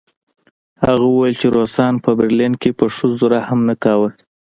هغه وویل چې روسانو په برلین کې په ښځو رحم نه کاوه